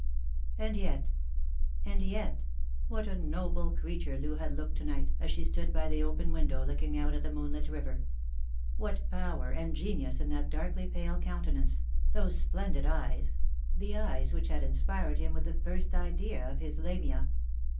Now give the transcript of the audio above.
And yet — and yet — what a noble creature Loo had looked to night, ae she stood by the open window looking out at the moonlit river ! What power and genius in that darkly pale countenance, those splendid eyes, the eyes which had inspired him with the first idea of his Lamia